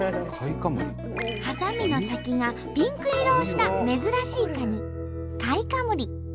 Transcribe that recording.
ハサミの先がピンク色をした珍しいカニカイカムリ。